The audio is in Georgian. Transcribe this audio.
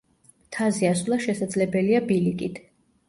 მთაზე ასვლა შესაძლებელია ბილიკით.